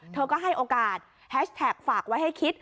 เธอก็ให้โอกาสแฮชแท็กฝากไว้ให้คิด